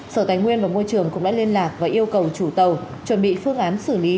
sở tài nguyên và môi trường cũng đã liên lạc và yêu cầu chủ tàu chuẩn bị phương án xử lý